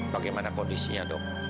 bagaimana kondisinya dok